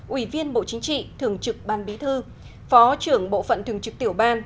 ủy viên bộ chính trị thường trực ban bí thư phó trưởng bộ phận thường trực tiểu ban